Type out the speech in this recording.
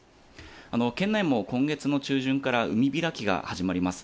県内も今月の中旬から海開きが始まります。